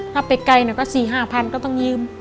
ถ้าไปไกลก็สี่ห้าพันก็ต้องยืม